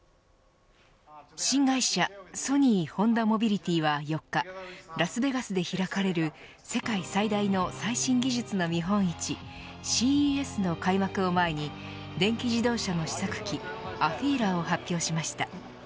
新会社ソニー・ホンダモビリティは４日ラスベガスで開かれる世界最大の最新技術の見本市ＣＥＳの開幕を前に電気自動車の試作機ＡＦＥＥＬＡを発表しました。